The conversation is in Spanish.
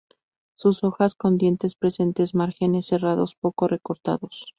Sus hojas con dientes presentes márgenes serrados poco recortados.